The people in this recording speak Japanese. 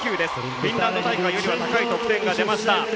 フィンランド大会よりは高い得点が出ました。